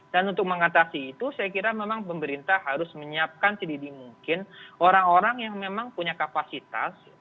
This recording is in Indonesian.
dan untuk mengatasi itu saya kira memang pemerintah harus menyiapkan sedikit mungkin orang orang yang memang punya kapasitas